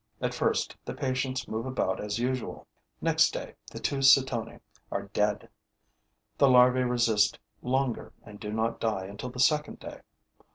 At first, the patients move about as usual. Next day, the two Cetoniae are dead. The larvae resist longer and do not die until the second day.